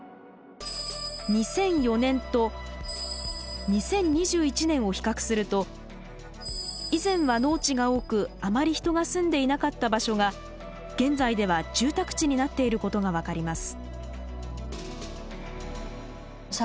２００４年と２０２１年を比較すると以前は農地が多くあまり人が住んでいなかった場所が現在では住宅地になっていることが分かります。